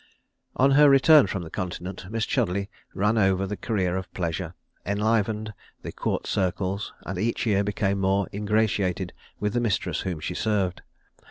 On her return from the Continent Miss Chudleigh ran over the career of pleasure, enlivened the court circles, and each year became more ingratiated with the mistress whom she served.